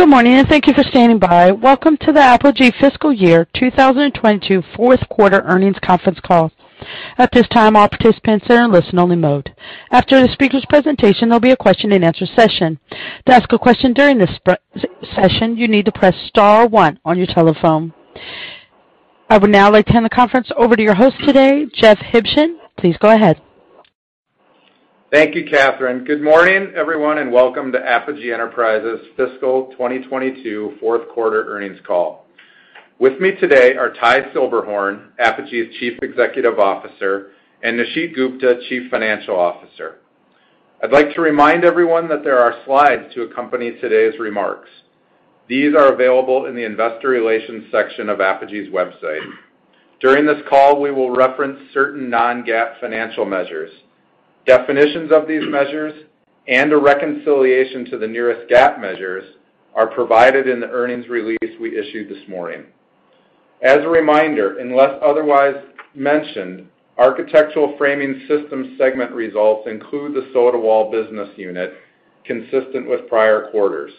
Good morning, and thank you for standing by. Welcome to the Apogee fiscal year 2022 fourth quarter earnings conference call. At this time, all participants are in listen only mode. After the speaker's presentation, there'll be a question-and-answer session. To ask a question during this session, you need to press star one on your telephone. I would now like to hand the conference over to your host today, Jeff Huebschen. Please go ahead. Thank you, Catherine. Good morning, everyone, and welcome to Apogee Enterprises Fiscal 2022 fourth quarter earnings call. With me today are Ty Silberhorn, Apogee's Chief Executive Officer, and Nisheet Gupta, Chief Financial Officer. I'd like to remind everyone that there are slides to accompany today's remarks. These are available in the investor relations section of Apogee's website. During this call, we will reference certain non-GAAP financial measures. Definitions of these measures and a reconciliation to the nearest GAAP measures are provided in the earnings release we issued this morning. As a reminder, unless otherwise mentioned, architectural framing systems segment results include the Sotawall business unit, consistent with prior quarters.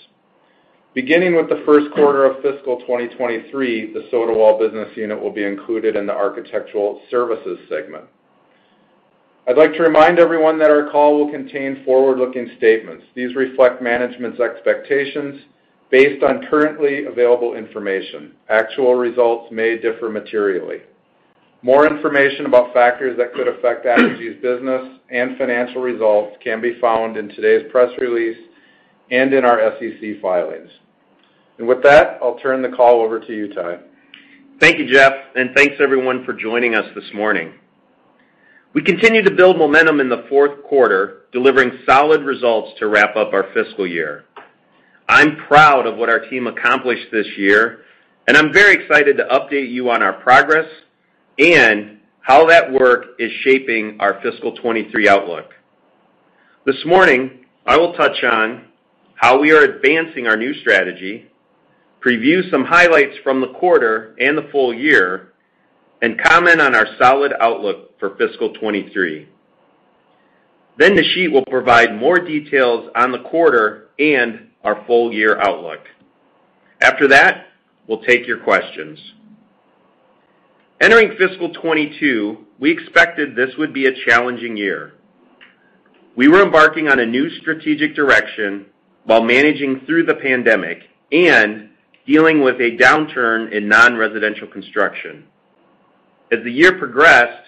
Beginning with the first quarter of fiscal 2023, the Sotawall business unit will be included in the architectural services segment. I'd like to remind everyone that our call will contain forward-looking statements. These reflect management's expectations based on currently available information. Actual results may differ materially. More information about factors that could affect Apogee's business and financial results can be found in today's press release and in our SEC filings. With that, I'll turn the call over to you, Ty. Thank you, Jeff, and thanks everyone for joining us this morning. We continue to build momentum in the fourth quarter, delivering solid results to wrap up our fiscal year. I'm proud of what our team accomplished this year, and I'm very excited to update you on our progress and how that work is shaping our fiscal 2023 outlook. This morning, I will touch on how we are advancing our new strategy, preview some highlights from the quarter and the full year, and comment on our solid outlook for fiscal 2023. Then Nisheet will provide more details on the quarter and our full year outlook. After that, we'll take your questions. Entering fiscal 2022, we expected this would be a challenging year. We were embarking on a new strategic direction while managing through the pandemic and dealing with a downturn in non-residential construction. As the year progressed,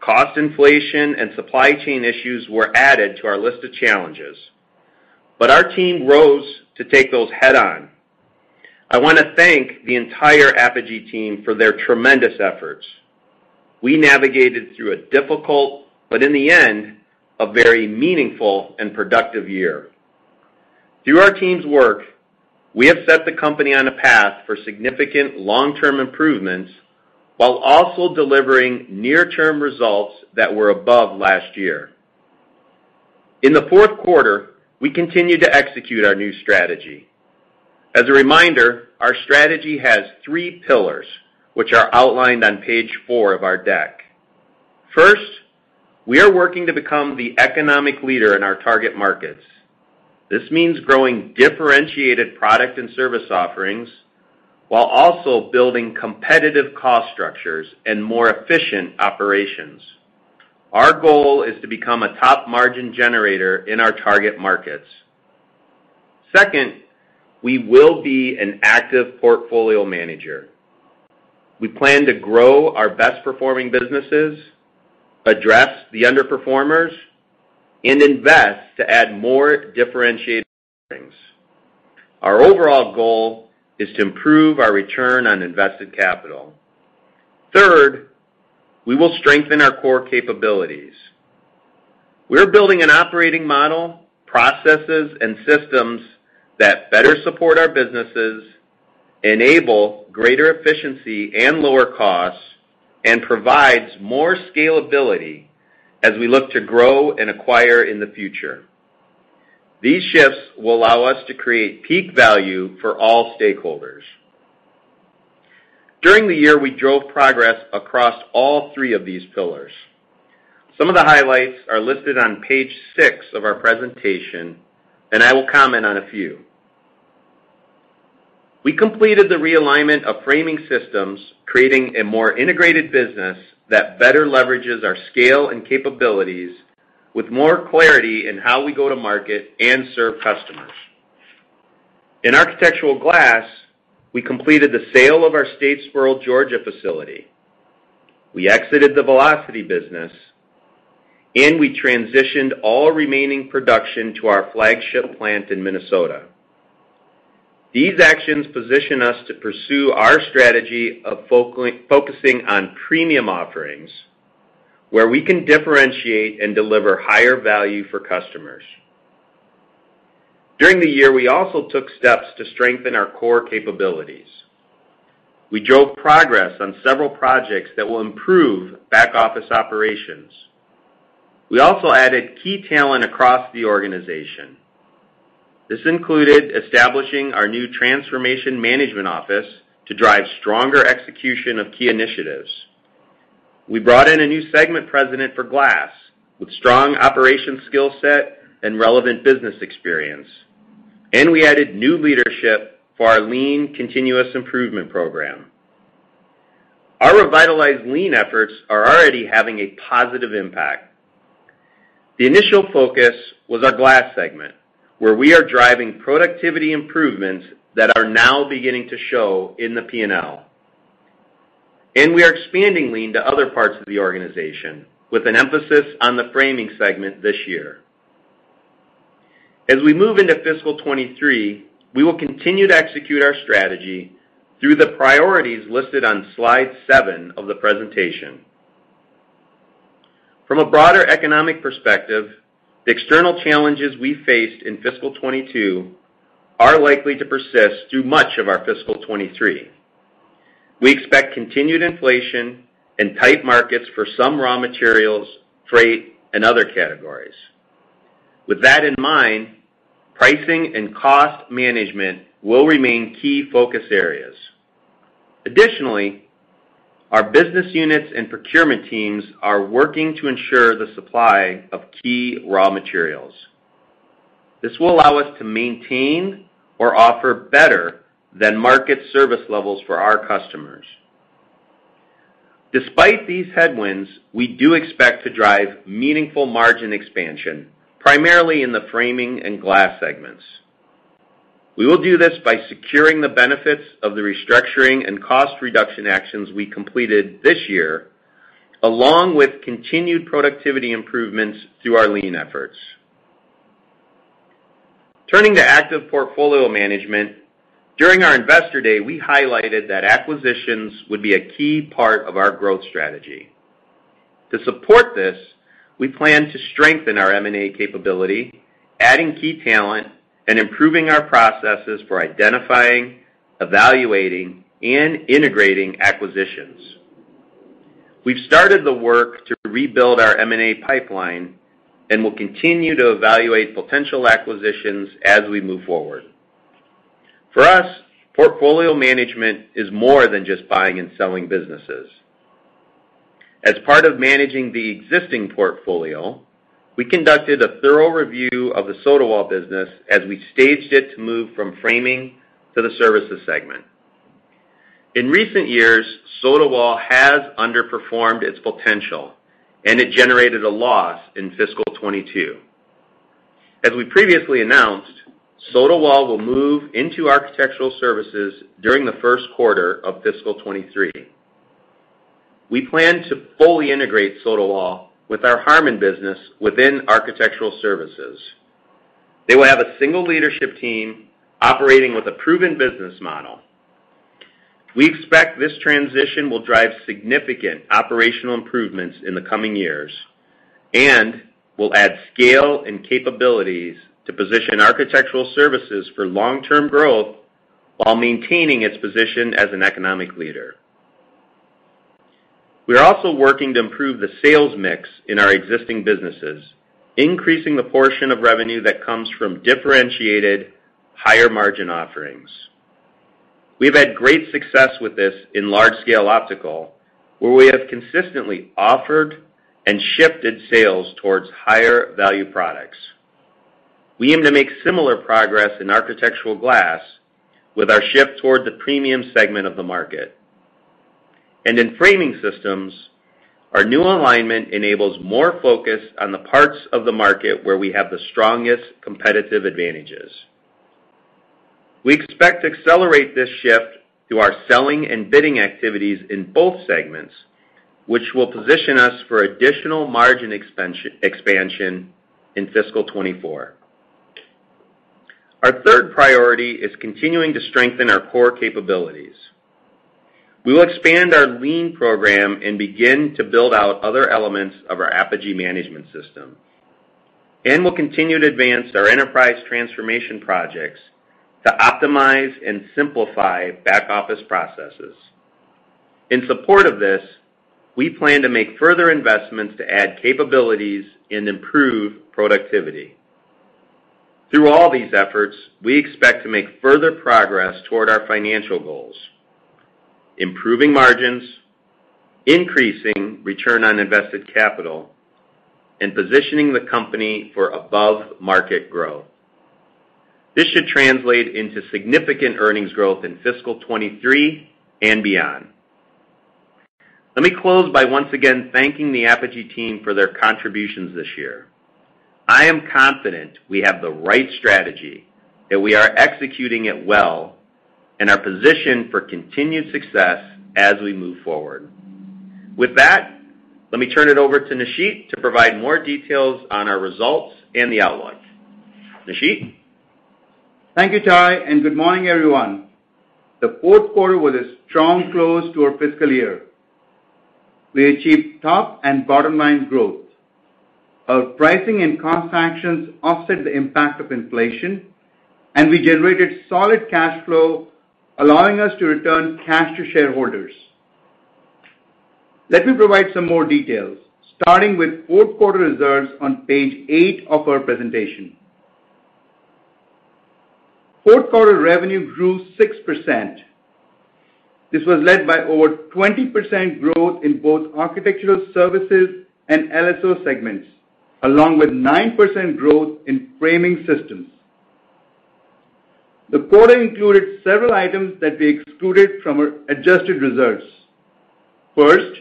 cost inflation and supply chain issues were added to our list of challenges. Our team rose to take those head on. I wanna thank the entire Apogee team for their tremendous efforts. We navigated through a difficult, but in the end, a very meaningful and productive year. Through our team's work, we have set the company on a path for significant long-term improvements while also delivering near-term results that were above last year. In the fourth quarter, we continued to execute our new strategy. As a reminder, our strategy has three pillars, which are outlined on page four of our deck. First, we are working to become the economic leader in our target markets. This means growing differentiated product and service offerings while also building competitive cost structures and more efficient operations. Our goal is to become a top margin generator in our target markets. Second, we will be an active portfolio manager. We plan to grow our best-performing businesses, address the underperformers, and invest to add more differentiated offerings. Our overall goal is to improve our return on invested capital. Third, we will strengthen our core capabilities. We're building an operating model, processes, and systems that better support our businesses, enable greater efficiency and lower costs, and provides more scalability as we look to grow and acquire in the future. These shifts will allow us to create peak value for all stakeholders. During the year, we drove progress across all three of these pillars. Some of the highlights are listed on page six of our presentation, and I will comment on a few. We completed the realignment of framing systems, creating a more integrated business that better leverages our scale and capabilities with more clarity in how we go to market and serve customers. In Architectural Glass, we completed the sale of our Statesboro, Georgia facility. We exited the velocity business, and we transitioned all remaining production to our flagship plant in Minnesota. These actions position us to pursue our strategy of focusing on premium offerings, where we can differentiate and deliver higher value for customers. During the year, we also took steps to strengthen our core capabilities. We drove progress on several projects that will improve back-office operations. We also added key talent across the organization. This included establishing our new Transformation Management Office to drive stronger execution of key initiatives. We brought in a new segment president for glass with strong operational skill set and relevant business experience, and we added new leadership for our Lean Continuous Improvement program. Our revitalized Lean efforts are already having a positive impact. The initial focus was our glass segment, where we are driving productivity improvements that are now beginning to show in the P&L. We are expanding Lean to other parts of the organization with an emphasis on the framing segment this year. As we move into fiscal 2023, we will continue to execute our strategy through the priorities listed on slide seven of the presentation. From a broader economic perspective, the external challenges we faced in fiscal 2022 are likely to persist through much of our fiscal 2023. We expect continued inflation and tight markets for some raw materials, freight, and other categories. With that in mind, pricing and cost management will remain key focus areas. Additionally, our business units and procurement teams are working to ensure the supply of key raw materials. This will allow us to maintain or offer better than market service levels for our customers. Despite these headwinds, we do expect to drive meaningful margin expansion, primarily in the framing and glass segments. We will do this by securing the benefits of the restructuring and cost reduction actions we completed this year, along with continued productivity improvements through our Lean efforts. Turning to active portfolio management, during our Investor Day, we highlighted that acquisitions would be a key part of our growth strategy. To support this, we plan to strengthen our M&A capability, adding key talent, and improving our processes for identifying, evaluating, and integrating acquisitions. We've started the work to rebuild our M&A pipeline and will continue to evaluate potential acquisitions as we move forward. For us, portfolio management is more than just buying and selling businesses. As part of managing the existing portfolio, we conducted a thorough review of the Sotawall business as we staged it to move from Framing to the Services segment. In recent years, Sotawall has underperformed its potential, and it generated a loss in fiscal 2022. As we previously announced, Sotawall will move into Architectural Services during the first quarter of fiscal 2023. We plan to fully integrate Sotawall with our Harmon business within Architectural Services. They will have a single leadership team operating with a proven business model. We expect this transition will drive significant operational improvements in the coming years and will add scale and capabilities to position Architectural Services for long-term growth while maintaining its position as an economic leader. We are also working to improve the sales mix in our existing businesses, increasing the portion of revenue that comes from differentiated higher-margin offerings. We've had great success with this in Large-Scale Optical, where we have consistently offered and shifted sales towards higher-value products. We aim to make similar progress in Architectural Glass with our shift toward the premium segment of the market. In framing systems, our new alignment enables more focus on the parts of the market where we have the strongest competitive advantages. We expect to accelerate this shift through our selling and bidding activities in both segments, which will position us for additional margin expansion in fiscal 2024. Our third priority is continuing to strengthen our core capabilities. We will expand our Lean program and begin to build out other elements of our Apogee Management System, and we'll continue to advance our enterprise transformation projects to optimize and simplify back-office processes. In support of this, we plan to make further investments to add capabilities and improve productivity. Through all these efforts, we expect to make further progress toward our financial goals, improving margins, increasing return on invested capital, and positioning the company for above market growth. This should translate into significant earnings growth in fiscal 2023 and beyond. Let me close by once again thanking the Apogee team for their contributions this year. I am confident we have the right strategy, that we are executing it well, and are positioned for continued success as we move forward. With that, let me turn it over to Nisheet to provide more details on our results and the outlook. Nisheet? Thank you, Ty, and good morning, everyone. The fourth quarter was a strong close to our fiscal year. We achieved top and bottom line growth. Our pricing and cost actions offset the impact of inflation, and we generated solid cash flow, allowing us to return cash to shareholders. Let me provide some more details, starting with fourth quarter results on page eight of our presentation. Fourth quarter revenue grew 6%. This was led by over 20% growth in both Architectural Services and LSO segments, along with 9% growth in Framing Systems. The quarter included several items that we excluded from our adjusted results. First,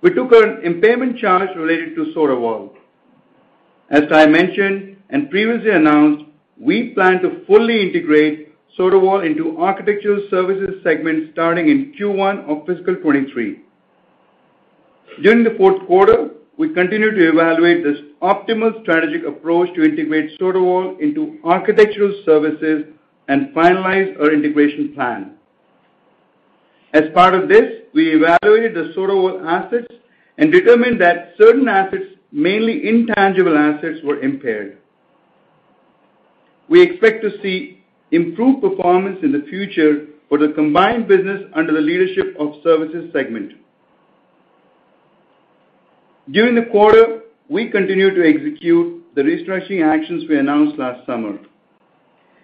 we took an impairment charge related to Sotawall. As I mentioned and previously announced, we plan to fully integrate Sotawall into Architectural Services segment starting in Q1 of fiscal 2023. During the fourth quarter, we continued to evaluate this optimal strategic approach to integrate Sotawall into Architectural Services and finalize our integration plan. As part of this, we evaluated the Sotawall assets and determined that certain assets, mainly intangible assets, were impaired. We expect to see improved performance in the future for the combined business under the leadership of Services segment. During the quarter, we continued to execute the restructuring actions we announced last summer.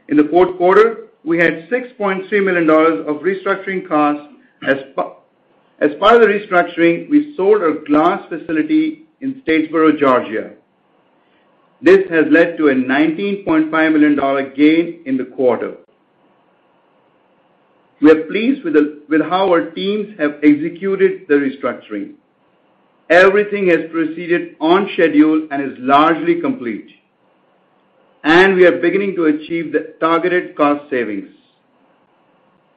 In the fourth quarter, we had $6.3 million of restructuring costs. As part of the restructuring, we sold our glass facility in Statesboro, Georgia. This has led to a $19.5 million gain in the quarter. We are pleased with how our teams have executed the restructuring. Everything has proceeded on schedule and is largely complete, and we are beginning to achieve the targeted cost savings.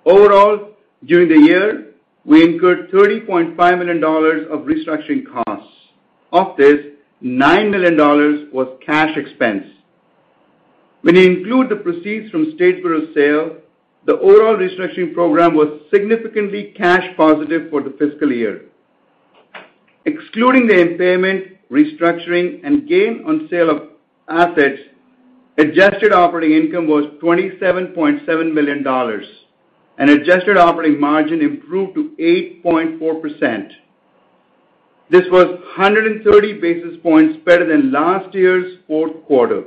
Overall, during the year, we incurred $30.5 million of restructuring costs. Of this, $9 million was cash expense. When you include the proceeds from Statesboro sale, the overall restructuring program was significantly cash positive for the fiscal year. Excluding the impairment, restructuring, and gain on sale of assets, adjusted operating income was $27.7 million, and adjusted operating margin improved to 8.4%. This was 130 basis points better than last year's fourth quarter.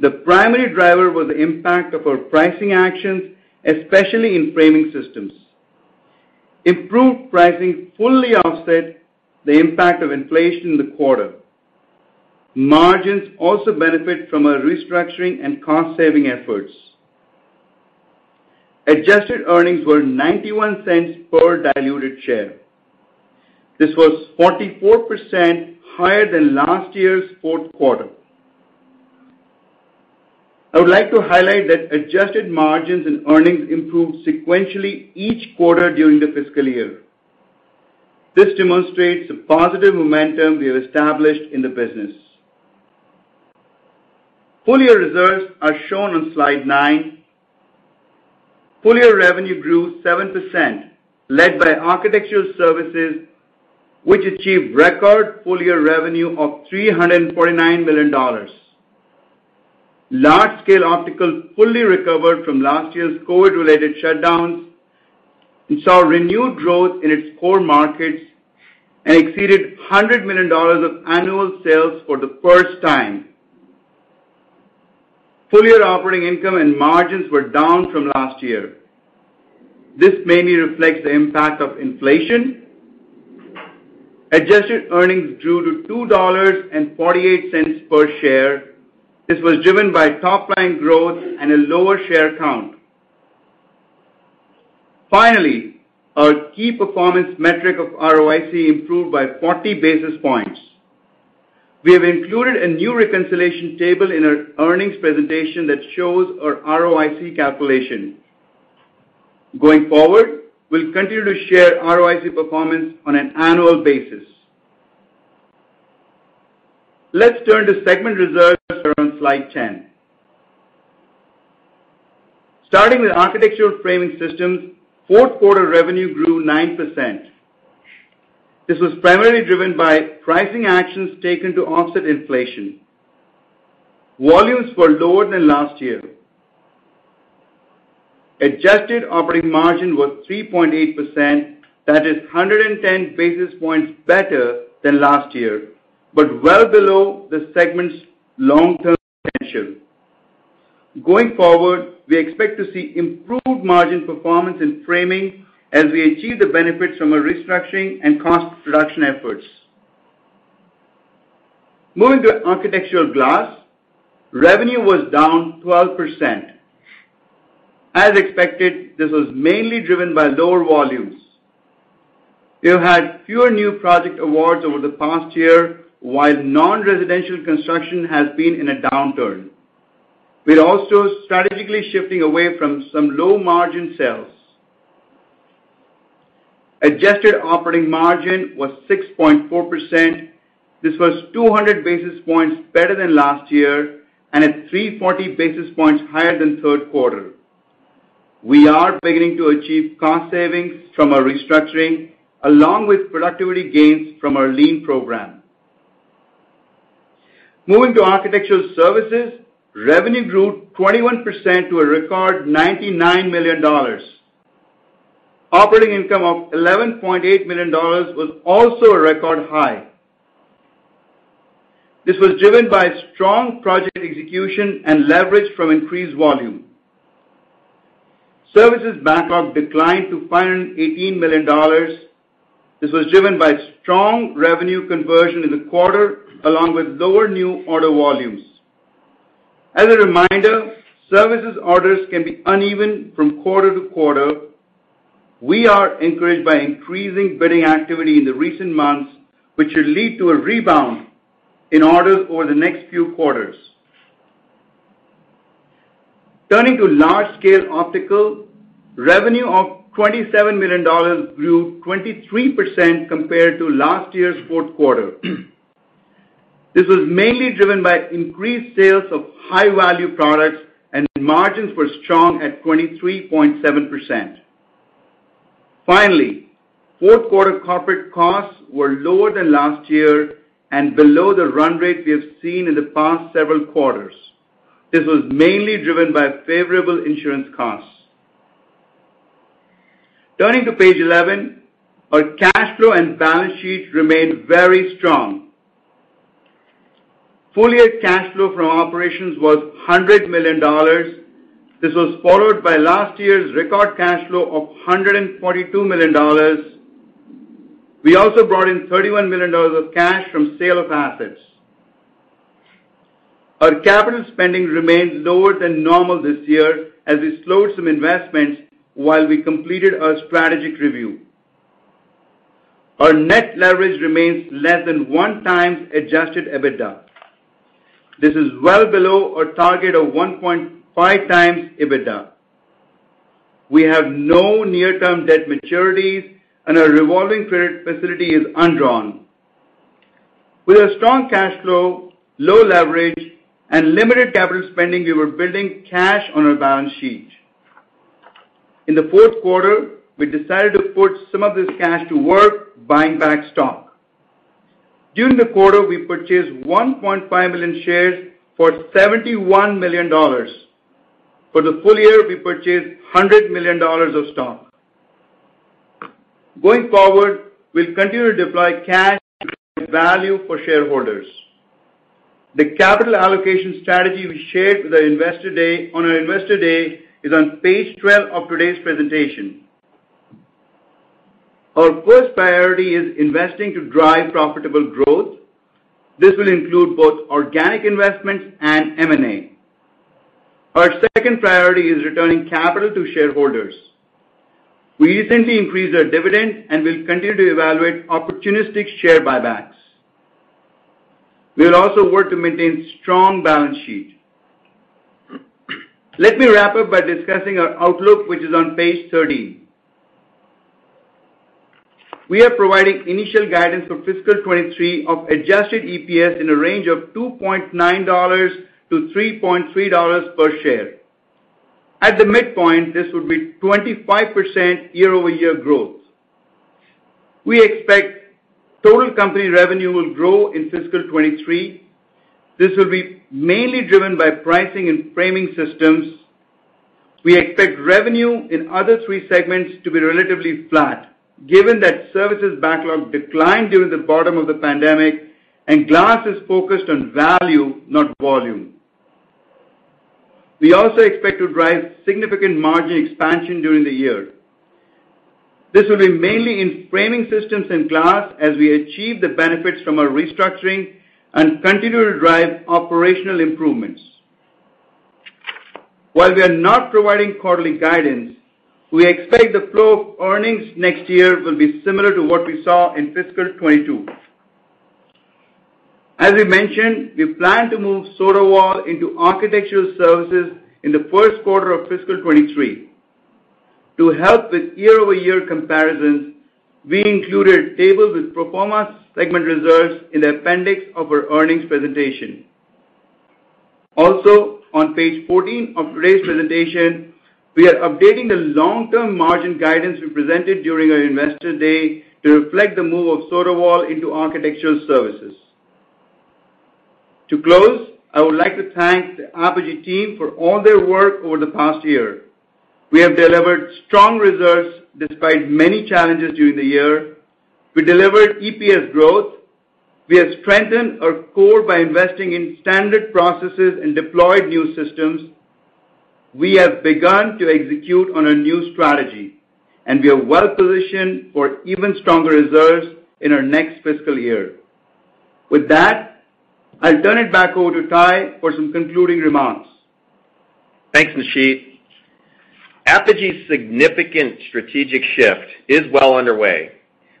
The primary driver was the impact of our pricing actions, especially in framing systems. Improved pricing fully offset the impact of inflation in the quarter. Margins also benefit from our restructuring and cost-saving efforts. Adjusted earnings were $0.91 per diluted share. This was 44% higher than last year's fourth quarter. I would like to highlight that adjusted margins and earnings improved sequentially each quarter during the fiscal year. This demonstrates the positive momentum we have established in the business. Full-year results are shown on slide nine. Full-year revenue grew 7%, led by Architectural Services, which achieved record full-year revenue of $349 million. Large-Scale Optical fully recovered from last year's COVID-related shutdowns and saw renewed growth in its core markets and exceeded $100 million of annual sales for the first time. Full-year operating income and margins were down from last year. This mainly reflects the impact of inflation. Adjusted earnings grew to $2.48 per share. This was driven by top-line growth and a lower share count. Finally, our key performance metric of ROIC improved by 40 basis points. We have included a new reconciliation table in our earnings presentation that shows our ROIC calculation. Going forward, we'll continue to share ROIC performance on an annual basis. Let's turn to segment results that are on slide 10. Starting with Architectural Framing Systems, fourth quarter revenue grew 9%. This was primarily driven by pricing actions taken to offset inflation. Volumes were lower than last year. Adjusted operating margin was 3.8%, that is 110 basis points better than last year, but well below the segment's long-term potential. Going forward, we expect to see improved margin performance in framing as we achieve the benefits from our restructuring and cost reduction efforts. Moving to Architectural Glass, revenue was down 12%. As expected, this was mainly driven by lower volumes. We have had fewer new project awards over the past year while non-residential construction has been in a downturn. We're also strategically shifting away from some low-margin sales. Adjusted operating margin was 6.4%. This was 200 basis points better than last year and 340 basis points higher than third quarter. We are beginning to achieve cost savings from our restructuring along with productivity gains from our Lean program. Moving to Architectural Services, revenue grew 21% to a record $99 million. Operating income of $11.8 million was also a record high. This was driven by strong project execution and leverage from increased volume. Services backlog declined to $518 million. This was driven by strong revenue conversion in the quarter, along with lower new order volumes. As a reminder, services orders can be uneven from quarter to quarter. We are encouraged by increasing bidding activity in the recent months, which should lead to a rebound in orders over the next few quarters. Turning to Large-Scale Optical, revenue of $27 million grew 23% compared to last year's fourth quarter. This was mainly driven by increased sales of high-value products and margins were strong at 23.7%. Finally, fourth-quarter corporate costs were lower than last year and below the run rate we have seen in the past several quarters. This was mainly driven by favorable insurance costs. Turning to page eleven. Our cash flow and balance sheet remained very strong. Full-year cash flow from operations was $100 million. This was followed by last year's record cash flow of $142 million. We also brought in $31 million of cash from sale of assets. Our capital spending remains lower than normal this year as we slowed some investments while we completed our strategic review. Our net leverage remains less than 1x adjusted EBITDA. This is well below our target of 1.5x EBITDA. We have no near-term debt maturities, and our revolving credit facility is undrawn. With a strong cash flow, low leverage and limited capital spending, we were building cash on our balance sheet. In the fourth quarter, we decided to put some of this cash to work buying back stock. During the quarter, we purchased 1.5 million shares for $71 million. For the full year, we purchased $100 million of stock. Going forward, we'll continue to deploy cash value for shareholders. The capital allocation strategy we shared on our Investor Day is on page 12 of today's presentation. Our first priority is investing to drive profitable growth. This will include both organic investments and M&A. Our second priority is returning capital to shareholders. We recently increased our dividend and will continue to evaluate opportunistic share buybacks. We'll also work to maintain strong balance sheet. Let me wrap up by discussing our outlook, which is on page 13. We are providing initial guidance for fiscal 2023 of adjusted EPS in a range of $2.9-$3.3 per share. At the midpoint, this would be 25% year-over-year growth. We expect total company revenue will grow in fiscal 2023. This will be mainly driven by pricing and Framing Systems. We expect revenue in other three segments to be relatively flat, given that Services backlog declined during the bottom of the pandemic and Glass is focused on value, not volume. We also expect to drive significant margin expansion during the year. This will be mainly in framing systems and glass as we achieve the benefits from our restructuring and continue to drive operational improvements. While we are not providing quarterly guidance, we expect the flow of earnings next year will be similar to what we saw in fiscal 2022. As we mentioned, we plan to move Sotawall into architectural services in the first quarter of fiscal 2023. To help with year-over-year comparisons, we included tables with pro forma segment revenues in the appendix of our earnings presentation. Also, on page 14 of today's presentation, we are updating the long-term margin guidance we presented during our investor day to reflect the move of Sotawall into architectural services. To close, I would like to thank the Apogee team for all their work over the past year. We have delivered strong results despite many challenges during the year. We delivered EPS growth. We have strengthened our core by investing in standard processes and deployed new systems. We have begun to execute on our new strategy, and we are well positioned for even stronger results in our next fiscal year. With that, I'll turn it back over to Ty for some concluding remarks. Thanks, Nisheet. Apogee's significant strategic shift is well underway.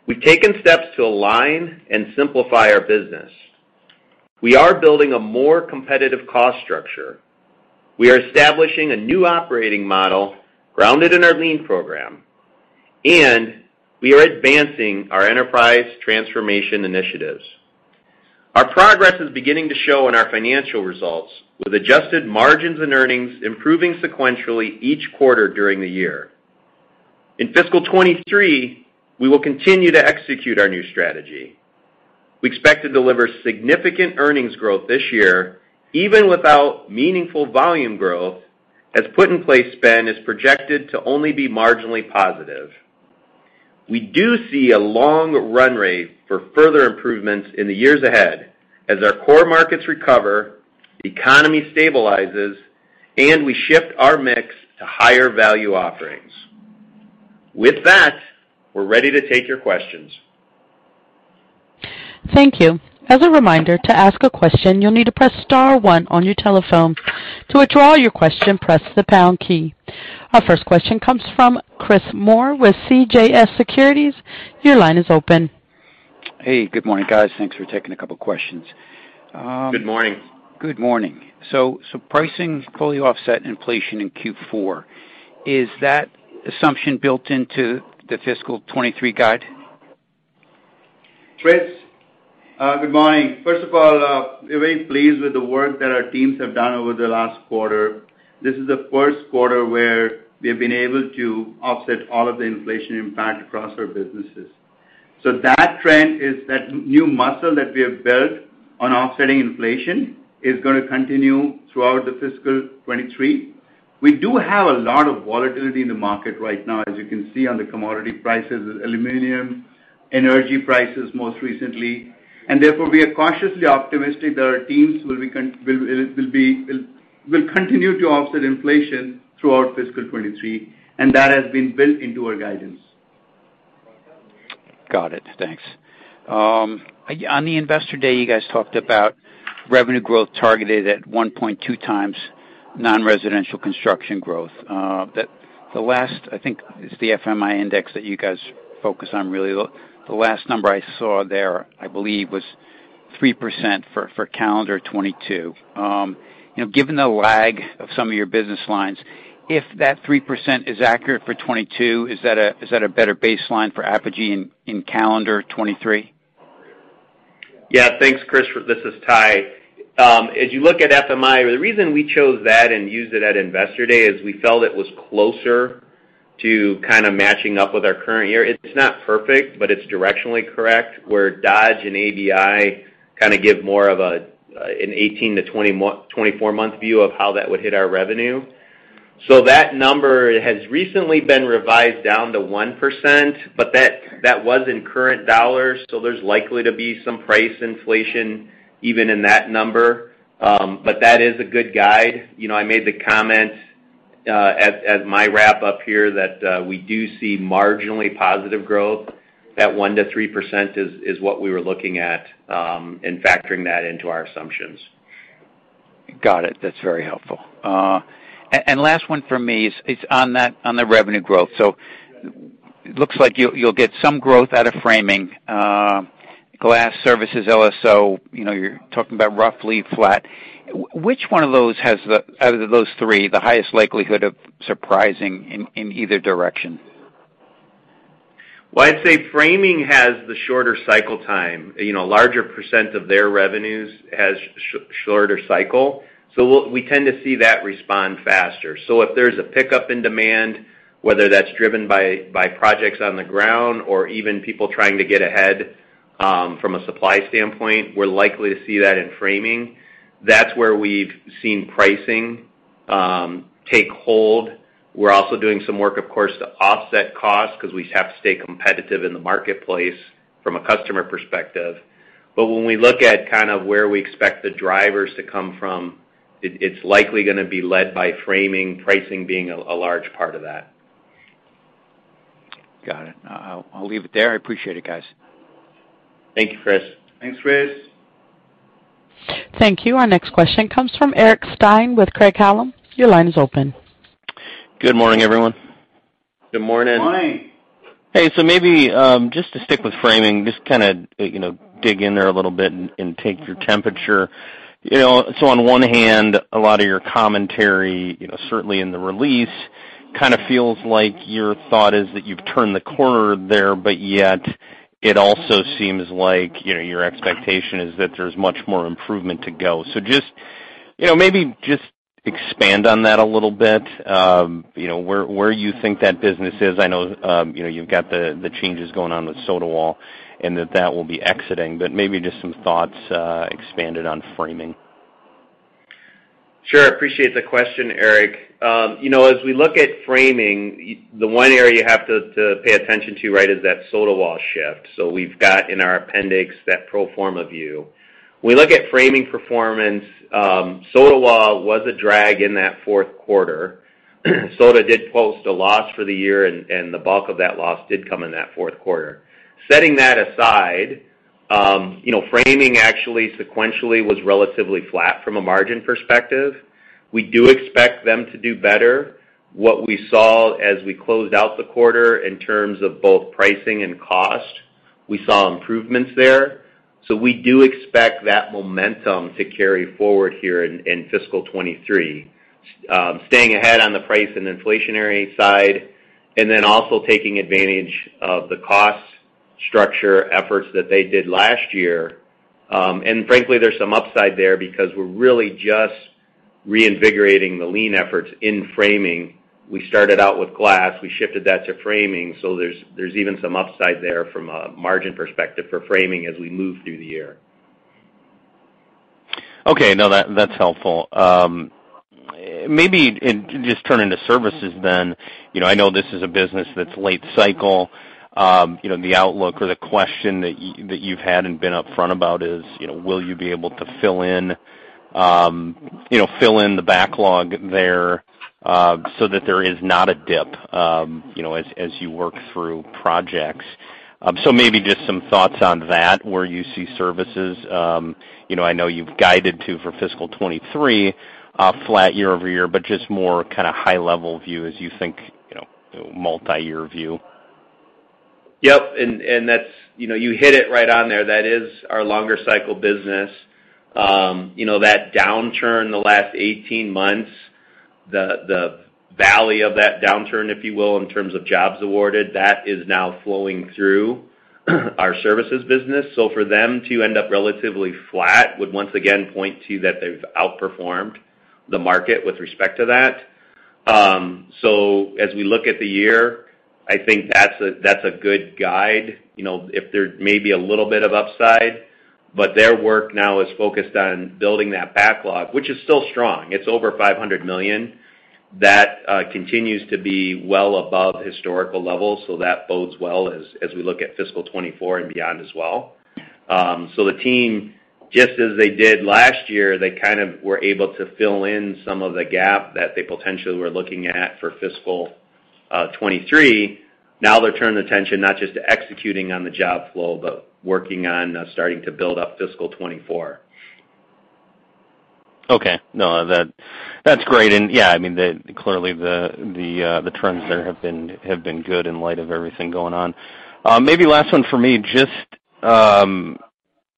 We've taken steps to align and simplify our business. We are building a more competitive cost structure. We are establishing a new operating model grounded in our Lean program, and we are advancing our enterprise transformation initiatives. Our progress is beginning to show in our financial results, with adjusted margins and earnings improving sequentially each quarter during the year. In fiscal 2023, we will continue to execute our new strategy. We expect to deliver significant earnings growth this year, even without meaningful volume growth, as put-in-place spend is projected to only be marginally positive. We do see a long run rate for further improvements in the years ahead as our core markets recover, economy stabilizes, and we shift our mix to higher value offerings. With that, we're ready to take your questions. Thank you. As a reminder, to ask a question, you'll need to press star one on your telephone. To withdraw your question, press the pound key. Our first question comes from Chris Moore with CJS Securities. Your line is open. Hey, good morning, guys. Thanks for taking a couple of questions. Good morning. Good morning. Pricing fully offset inflation in Q4, is that assumption built into the fiscal 2023 guide? Chris, good morning. First of all, we're very pleased with the work that our teams have done over the last quarter. This is the first quarter where we have been able to offset all of the inflation impact across our businesses. That trend is that new muscle that we have built on offsetting inflation is gonna continue throughout the fiscal 2023. We do have a lot of volatility in the market right now, as you can see on the commodity prices, aluminum, energy prices most recently. Therefore, we are cautiously optimistic that our teams will continue to offset inflation throughout fiscal 2023, and that has been built into our guidance. Got it. Thanks. On the Investor Day, you guys talked about revenue growth targeted at 1.2 times non-residential construction growth. The last, I think it's the FMI index that you guys focus on really. The last number I saw there, I believe, was 3% for calendar 2022. You know, given the lag of some of your business lines, if that 3% is accurate for 2022, is that a better baseline for Apogee in calendar 2023? Yeah. Thanks, Chris. This is Ty. As you look at FMI, the reason we chose that and used it at Investor Day is we felt it was closer to kind of matching up with our current year. It's not perfect, but it's directionally correct, where Dodge and ABI kind of give more of an 18- to 24-month view of how that would hit our revenue. That number has recently been revised down to 1%, but that was in current dollars, so there's likely to be some price inflation even in that number. That is a good guide. You know, I made the comment at my wrap up here that we do see marginally positive growth. That 1%-3% is what we were looking at, and factoring that into our assumptions. Got it. That's very helpful. Last one from me is on that, on the revenue growth. It looks like you'll get some growth out of framing, glass services, LSO, you know, you're talking about roughly flat. Which one of those has the out of those three, the highest likelihood of surprising in either direction? Well, I'd say framing has the shorter cycle time. You know, a larger percent of their revenues has shorter cycle, so we tend to see that respond faster. If there's a pickup in demand, whether that's driven by projects on the ground or even people trying to get ahead, from a supply standpoint, we're likely to see that in framing. That's where we've seen pricing take hold. We're also doing some work, of course, to offset costs because we have to stay competitive in the marketplace from a customer perspective. When we look at kind of where we expect the drivers to come from, it's likely gonna be led by framing, pricing being a large part of that. Got it. I'll leave it there. I appreciate it, guys. Thank you, Chris. Thanks, Chris. Thank you. Our next question comes from Eric Stine with Craig-Hallum. Your line is open. Good morning, everyone. Good morning. Morning. Hey, maybe just to stick with framing, just kinda, you know, dig in there a little bit and take your temperature. You know, on one hand, a lot of your commentary, you know, certainly in the release, kind of feels like your thought is that you've turned the corner there, but yet it also seems like, you know, your expectation is that there's much more improvement to go. Just, you know, maybe just expand on that a little bit. You know, where you think that business is. I know, you know, you've got the changes going on with Sotawall and that will be exiting. But maybe just some thoughts expanded on framing. Sure. I appreciate the question, Eric. You know, as we look at framing, the one area you have to pay attention to, right, is that Sotawall shift. We've got in our appendix that pro forma view. We look at framing performance, Sotawall was a drag in that fourth quarter. Sotawall did post a loss for the year, and the bulk of that loss did come in that fourth quarter. Setting that aside, you know, framing actually sequentially was relatively flat from a margin perspective. We do expect them to do better. What we saw as we closed out the quarter in terms of both pricing and cost, we saw improvements there. We do expect that momentum to carry forward here in fiscal 2023. Staying ahead on the price and inflationary side, and then also taking advantage of the cost structure efforts that they did last year. Frankly, there's some upside there because we're really just reinvigorating the Lean efforts in framing. We started out with glass, we shifted that to framing, so there's even some upside there from a margin perspective for framing as we move through the year. Okay. No, that's helpful. Maybe just turning to services then, you know, I know this is a business that's late cycle. You know, the outlook or the question that you've had and been upfront about is, you know, will you be able to fill in the backlog there, so that there is not a dip, you know, as you work through projects. Maybe just some thoughts on that, where you see services. You know, I know you've guided to for fiscal 2023, flat year-over-year, but just more kind of high level view as you think, you know, multi-year view. Yep. That's, you know, you hit it right on there. That is our longer cycle business. You know, that downturn the last 18 months, the valley of that downturn, if you will, in terms of jobs awarded, that is now flowing through our services business. For them to end up relatively flat would once again point to that they've outperformed the market with respect to that. As we look at the year, I think that's a good guide, you know, if there may be a little bit of upside, but their work now is focused on building that backlog, which is still strong. It's over $500 million. That continues to be well above historical levels. That bodes well as we look at fiscal 2024 and beyond as well. The team, just as they did last year, they kind of were able to fill in some of the gap that they potentially were looking at for fiscal 2023. Now they're turning attention, not just to executing on the job flow, but working on starting to build up fiscal 2024. Okay. No, that's great. Yeah, I mean, clearly, the trends there have been good in light of everything going on. Maybe last one for me, just, and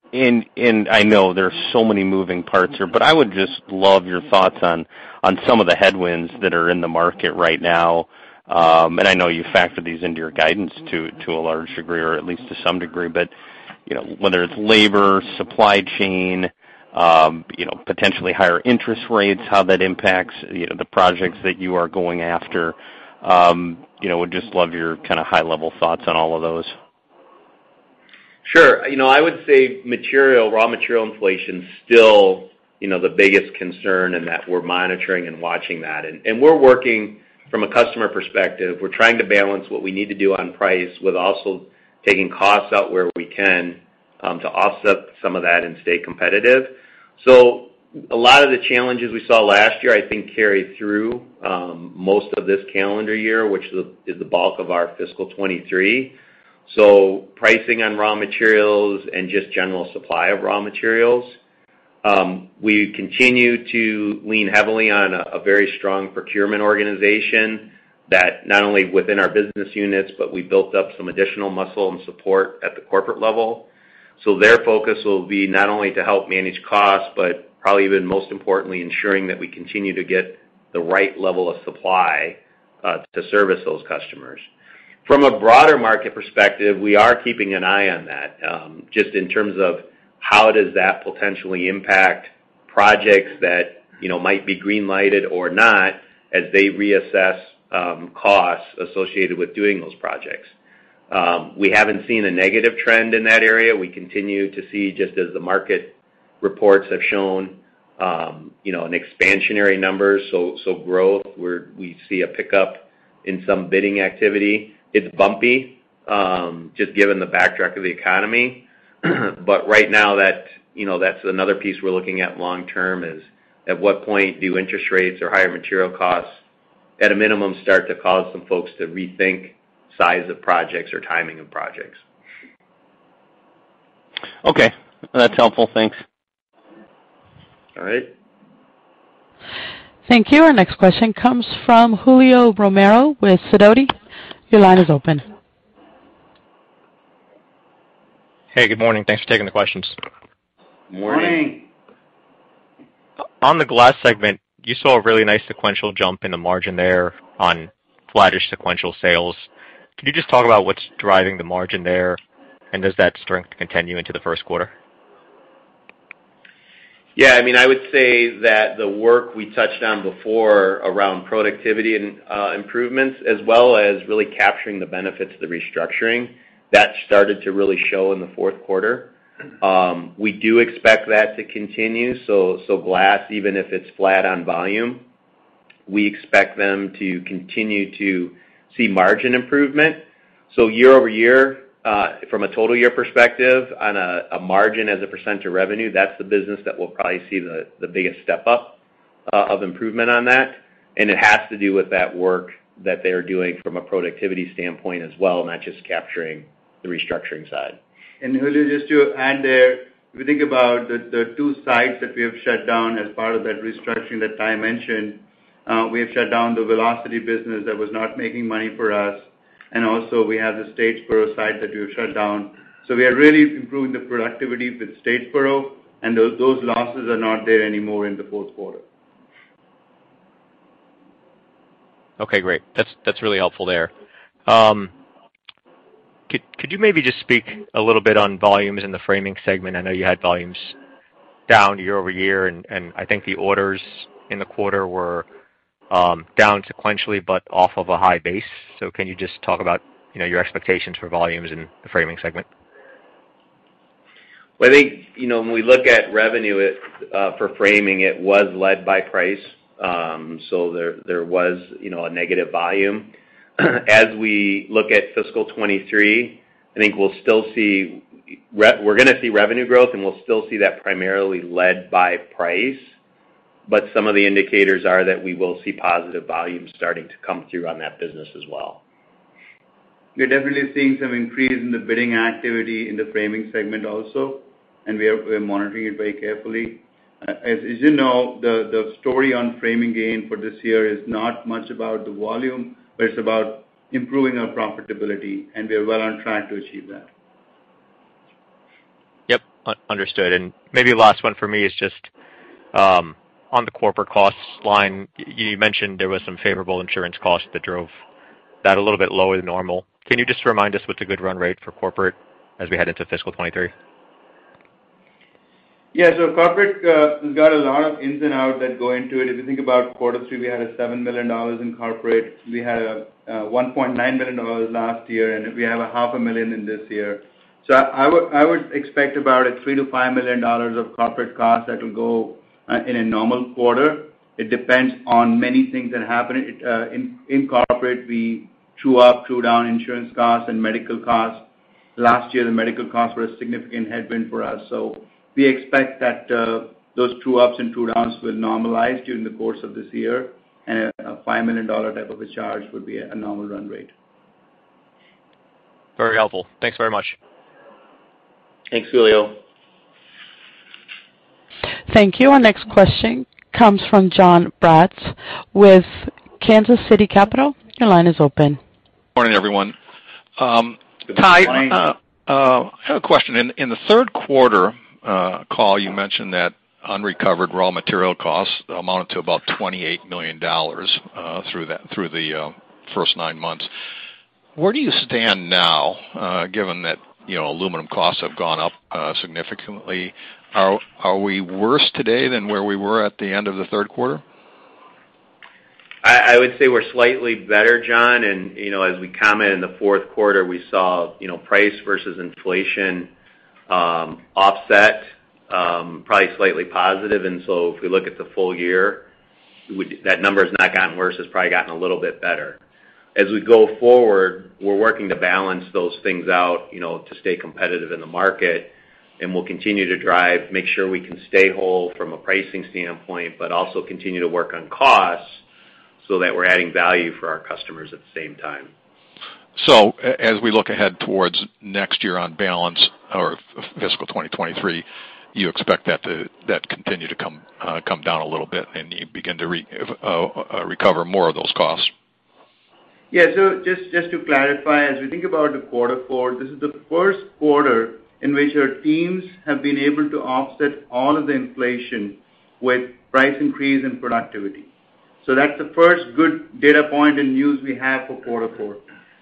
I know there are so many moving parts here, but I would just love your thoughts on some of the headwinds that are in the market right now. And I know you factor these into your guidance to a large degree or at least to some degree. You know, whether it's labor, supply chain, you know, potentially higher interest rates, how that impacts, you know, the projects that you are going after, you know, would just love your kind of high-level thoughts on all of those. Sure. You know, I would say material, raw material inflation is still, you know, the biggest concern, and that we're monitoring and watching that. We're working from a customer perspective. We're trying to balance what we need to do on price with also taking costs out where we can, to offset some of that and stay competitive. A lot of the challenges we saw last year, I think, carried through most of this calendar year, which is the bulk of our fiscal 2023. Pricing on raw materials and just general supply of raw materials. We continue to lean heavily on a very strong procurement organization that not only within our business units, but we built up some additional muscle and support at the corporate level. Their focus will be not only to help manage costs, but probably even most importantly, ensuring that we continue to get the right level of supply to service those customers. From a broader market perspective, we are keeping an eye on that, just in terms of how does that potentially impact projects that, you know, might be green-lighted or not as they reassess, costs associated with doing those projects. We haven't seen a negative trend in that area. We continue to see, just as the market reports have shown, you know, an expansionary number, so growth. We see a pickup in some bidding activity. It's bumpy, just given the backdrop of the economy. Right now, that, you know, that's another piece we're looking at long term is at what point do interest rates or higher material costs at a minimum start to cause some folks to rethink size of projects or timing of projects. Okay. That's helpful. Thanks. All right. Thank you. Our next question comes from Julio Romero with Sidoti. Your line is open. Hey, good morning. Thanks for taking the questions. Morning. On the glass segment, you saw a really nice sequential jump in the margin there on flattish sequential sales. Can you just talk about what's driving the margin there? Does that strength continue into the first quarter? Yeah, I mean, I would say that the work we touched on before around productivity and improvements, as well as really capturing the benefits of the restructuring, that started to really show in the fourth quarter. We do expect that to continue. So glass, even if it's flat on volume, we expect them to continue to see margin improvement. Year-over-year, from a total year perspective on a margin as a percent of revenue, that's the business that will probably see the biggest step up of improvement on that. It has to do with that work that they are doing from a productivity standpoint as well, not just capturing the restructuring side. Julio, just to add there, if you think about the two sites that we have shut down as part of that restructuring that Ty mentioned, we have shut down the velocity business that was not making money for us. Also, we have the Statesboro site that we've shut down. We are really improving the productivity with Statesboro, and those losses are not there anymore in the fourth quarter. Okay, great. That's really helpful there. Could you maybe just speak a little bit on volumes in the framing segment? I know you had volumes down year over year, and I think the orders in the quarter were down sequentially, but off of a high base. Can you just talk about, you know, your expectations for volumes in the framing segment? Well, I think, you know, when we look at revenue, it for framing, it was led by price. There was, you know, a negative volume. As we look at fiscal 2023, I think we'll still see, we're gonna see revenue growth, and we'll still see that primarily led by price. Some of the indicators are that we will see positive volume starting to come through on that business as well. We're definitely seeing some increase in the bidding activity in the framing segment also, and we are monitoring it very carefully. As you know, the story on framing segment for this year is not much about the volume, but it's about improving our profitability, and we are well on track to achieve that. Yep, understood. Maybe last one for me is just on the corporate costs line. You mentioned there was some favorable insurance costs that drove that a little bit lower than normal. Can you just remind us what's a good run rate for corporate as we head into fiscal 2023? Corporate has got a lot of ins and outs that go into it. If you think about quarter three, we had $7 million in corporate. We had $1.9 million last year, and we have a $500,000 a million this year. I would expect about $3 million-$5 million of corporate costs that will go in a normal quarter. It depends on many things that happen. In corporate, we true up, true down insurance costs and medical costs. Last year, the medical costs were a significant headwind for us. We expect that those true ups and true downs will normalize during the course of this year, and a $5 million type of a charge would be a normal run rate. Very helpful. Thanks very much. Thanks, Julio. Thank you. Our next question comes from Jon Braatz with Kansas City Capital. Your line is open. Morning, everyone. Ty- Good morning. I have a question. In the third quarter call, you mentioned that unrecovered raw material costs amounted to about $28 million through the first nine months. Where do you stand now, given that, you know, aluminum costs have gone up significantly? Are we worse today than where we were at the end of the third quarter? I would say we're slightly better, Jon. You know, as we commented in the fourth quarter, we saw, you know, price versus inflation offset, probably slightly positive. If we look at the full year, that number has not gotten worse. It's probably gotten a little bit better. As we go forward, we're working to balance those things out, you know, to stay competitive in the market. We'll continue to drive, make sure we can stay whole from a pricing standpoint, but also continue to work on costs so that we're adding value for our customers at the same time. As we look ahead toward next year, on balance, our fiscal 2023, you expect that to continue to come down a little bit, and you begin to recover more of those costs. Yeah. Just to clarify, as we think about the quarter four, this is the first quarter in which our teams have been able to offset all of the inflation with price increase and productivity. That's the first good data point and news we have for quarter four.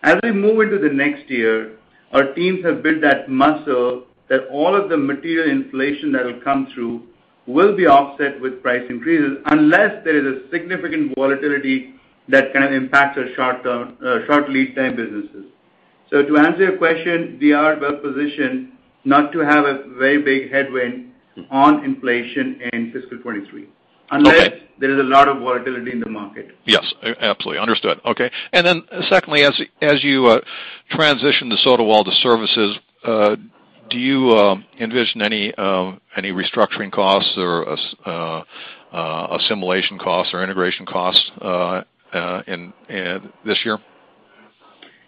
As we move into the next year, our teams have built that muscle that all of the material inflation that will come through will be offset with price increases unless there is a significant volatility that can impact our short-term, short lead time businesses. To answer your question, we are well positioned not to have a very big headwind on inflation in fiscal 2023. Okay. Unless there is a lot of volatility in the market. Yes, absolutely. Understood. Okay. Secondly, as you transition to Sotawall Services, do you envision any restructuring costs or assimilation costs or integration costs in this year?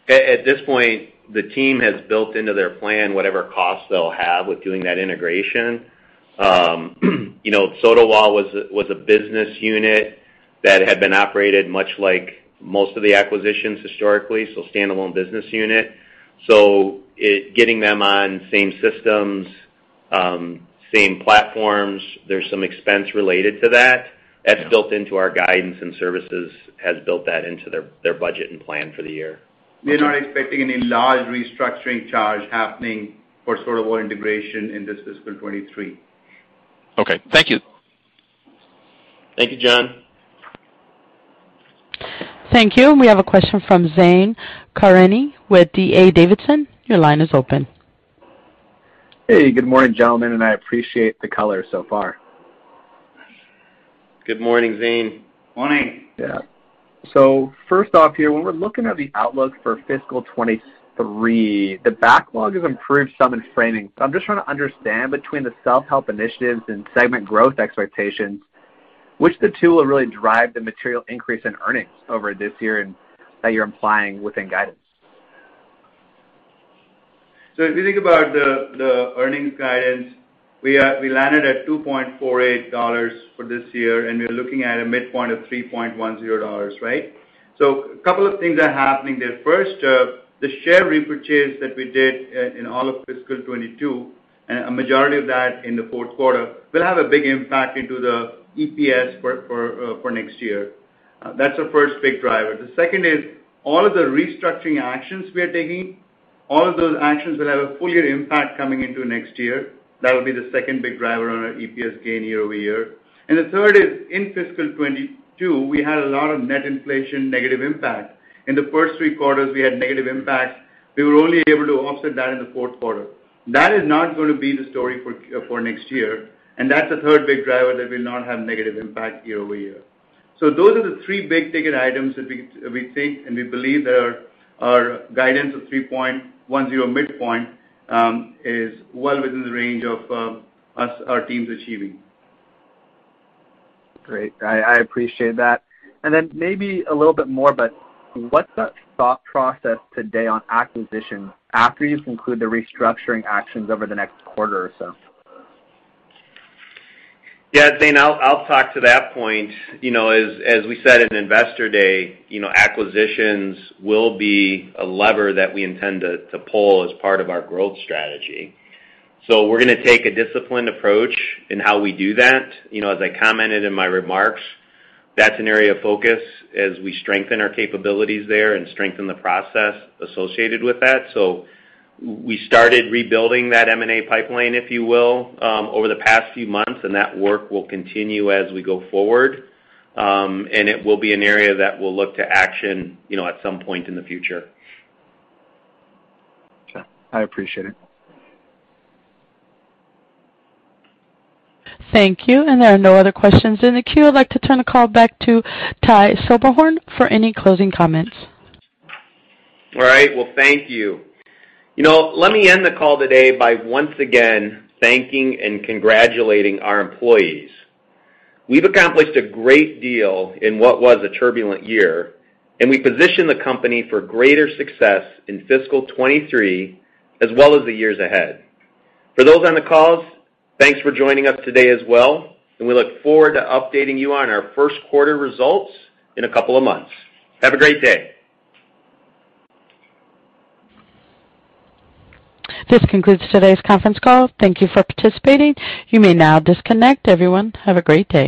At this point, the team has built into their plan whatever costs they'll have with doing that integration. You know, Sotawall was a business unit that had been operated much like most of the acquisitions historically, so standalone business unit, getting them on same systems, same platforms. There's some expense related to that. Yeah. That's built into our guidance, and services has built that into their budget and plan for the year. We're not expecting any large restructuring charge happening for Sotawall integration in this fiscal 2023. Okay. Thank you. Thank you, Jon. Thank you. We have a question from Zane Karimi with D.A. Davidson. Your line is open. Hey. Good morning, gentlemen, and I appreciate the color so far. Good morning, Zane. Morning. Yeah. First off here, when we're looking at the outlook for fiscal 2023, the backlog has improved some in framing. I'm just trying to understand between the self-help initiatives and segment growth expectations, which of the two will really drive the material increase in earnings over this year and that you're implying within guidance? If you think about the earnings guidance, we landed at $2.48 for this year, and we're looking at a midpoint of $3.10, right? A couple of things are happening there. First, the share repurchase that we did in all of fiscal 2022, a majority of that in the fourth quarter, will have a big impact into the EPS for next year. That's the first big driver. The second is all of the restructuring actions we are taking. All of those actions will have a full year impact coming into next year. That would be the second big driver on our EPS gain year-over-year. The third is in fiscal 2022, we had a lot of net inflation negative impact. In the first three quarters, we had negative impact. We were only able to offset that in the fourth quarter. That is not gonna be the story for next year, and that's the third big driver that will not have negative impact year-over-year. Those are the three big-ticket items that we take, and we believe that our guidance of 3.10 midpoint is well within the range of our teams achieving. Great. I appreciate that. Maybe a little bit more, but what's the thought process today on acquisitions after you conclude the restructuring actions over the next quarter or so? Yeah, Zane, I'll talk to that point. You know, as we said in Investor Day, you know, acquisitions will be a lever that we intend to pull as part of our growth strategy. We're gonna take a disciplined approach in how we do that. You know, as I commented in my remarks, that's an area of focus as we strengthen our capabilities there and strengthen the process associated with that. We started rebuilding that M&A pipeline, if you will, over the past few months, and that work will continue as we go forward. It will be an area that we'll look to action, you know, at some point in the future. Sure. I appreciate it. Thank you. There are no other questions in the queue. I'd like to turn the call back to Ty Silberhorn for any closing comments. All right. Well, thank you. You know, let me end the call today by once again thanking and congratulating our employees. We've accomplished a great deal in what was a turbulent year, and we position the company for greater success in fiscal 2023 as well as the years ahead. For those on the calls, thanks for joining us today as well, and we look forward to updating you on our first quarter results in a couple of months. Have a great day. This concludes today's conference call. Thank you for participating. You may now disconnect. Everyone, have a great day.